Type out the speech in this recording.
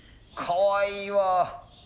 かわいいわ。